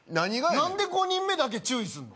何で５人目だけ注意すんの？